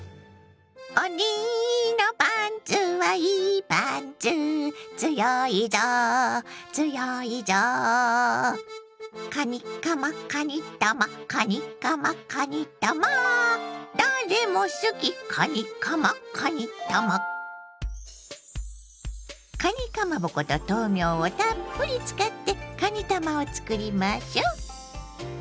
おにのパンツはいいパンツつよいぞつよいぞカニカマかにたまカニカマかにたま誰も好きカニカマかにたまかにかまぼこと豆苗をたっぷり使ってかにたまをつくりましょう。